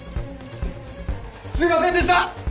すいませんでした！